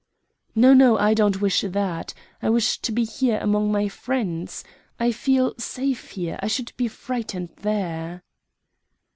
"No, no; I don't wish that. I wish to be here among my friends. I feel safe here; I should be frightened there."